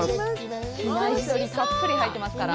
比内地鶏たっぷり入ってますから。